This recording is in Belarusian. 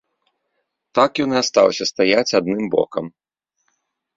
Так ён і астаўся стаяць адным бокам.